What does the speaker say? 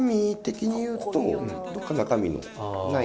どっか中身のない。